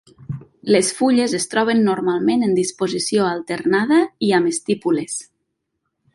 Les fulles es troben normalment en disposició alternada i amb estípules.